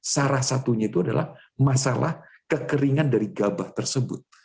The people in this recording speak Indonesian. salah satunya itu adalah masalah kekeringan dari gabah tersebut